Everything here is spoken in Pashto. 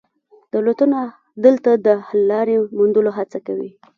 دولتونه دلته د حل لارې موندلو هڅه کوي